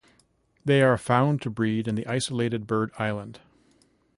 They are found to breed in the isolated bird island.